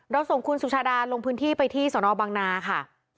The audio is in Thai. ส่งคุณสุชาดาลงพื้นที่ไปที่สนบังนาค่ะ